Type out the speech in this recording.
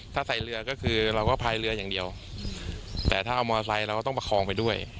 ถ้าใส่เรือก็คือเราก็พายเรืออย่างเดียวแต่ถ้าเอามอไซค์เราก็ต้องประคองไปด้วย